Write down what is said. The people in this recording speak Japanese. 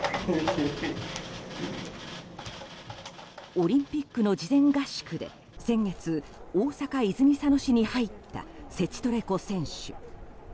オリンピックの事前合宿で先月、大阪・泉佐野市に入ったセチトレコ選手。